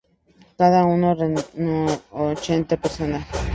Cada uno reunió ochenta personas.